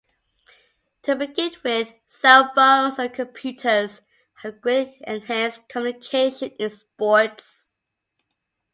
To begin with, cell phones and computers have greatly enhanced communication in sports.